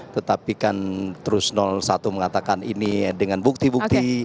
tetapi kan terus satu mengatakan ini dengan bukti bukti